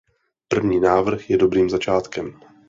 První návrh je dobrým začátkem.